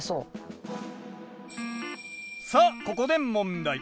さあここで問題。